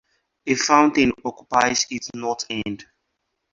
A fountain occupies its north end.